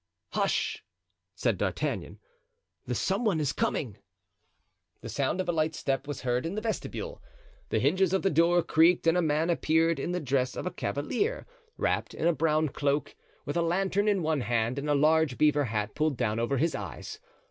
"Hush!" said D'Artagnan; "the some one is coming." The sound of a light step was heard in the vestibule. The hinges of the door creaked and a man appeared in the dress of a cavalier, wrapped in a brown cloak, with a lantern in one hand and a large beaver hat pulled down over his eyes.